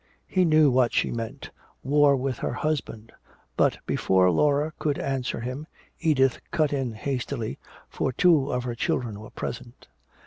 He knew what she meant, war with her husband. But before Laura could answer him, Edith cut in hastily, for two of her children were present.